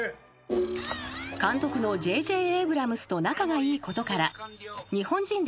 ［監督のＪ・Ｊ・エイブラムスと仲がいいことから］